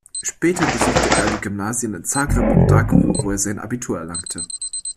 Später besuchte er die Gymnasien in Zagreb und Đakovo, wo er sein Abitur erlangte.